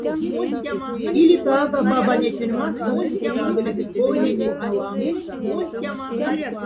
Или тага бабанятнень мархта кудть инголе скомнянять лангса.